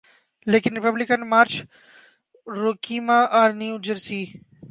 لیکن Republican Marge Roukema R New Jersey